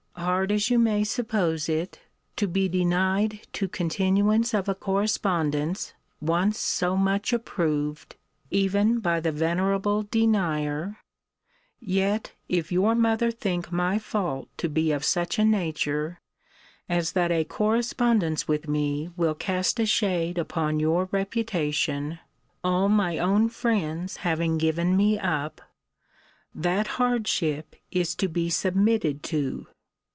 Hard as you may suppose it, to be denied to continuance of a correspondence once so much approved, even by the venerable denier; yet, if your mother think my fault to be of such a nature, as that a correspondence with me will cast a shade upon your reputation, all my own friends having given me up that hardship is to be submitted to.